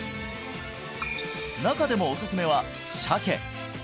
中でもおすすめはシャケ